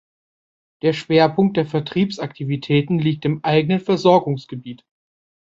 Der Schwerpunkt der Vertriebsaktivitäten liegt im eigenen Versorgungsgebiet.